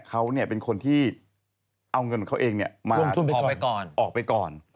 เขาเป็นคนที่เอาเงินของเขาเองมาก่อนออกไปก่อน